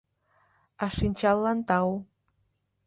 А шинчаллан тау.